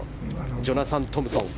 ジョナサン・トムソン。